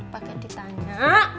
pak gedi tanya